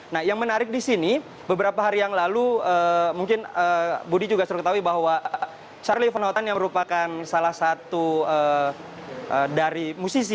nah yang menarik disini beberapa hari yang lalu mungkin budi juga suruh ketahui bahwa charlie van houten yang merupakan salah satu dari musisi